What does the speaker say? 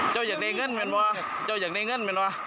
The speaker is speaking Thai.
เจ้าอย่างในเงินมันว่ะเจ้าอย่างในเงินมันว่ะ